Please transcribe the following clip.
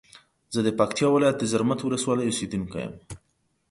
زه د پکتیا ولایت د زرمت ولسوالی اوسیدونکی یم.